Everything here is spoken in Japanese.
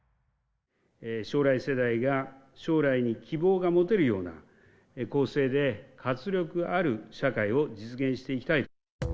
将来世代が将来に希望が持てるような、公正で活力ある社会を実現していきたい。